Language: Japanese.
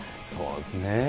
そうですね。